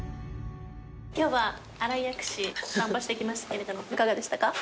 今日は新井薬師お散歩してきましたけれどいかがでしたか？